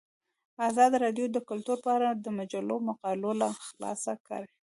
ازادي راډیو د کلتور په اړه د مجلو مقالو خلاصه کړې.